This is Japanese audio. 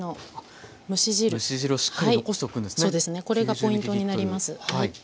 これがポイントになります。